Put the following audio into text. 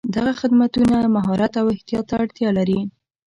دغه خدمتونه مهارت او احتیاط ته اړتیا لري.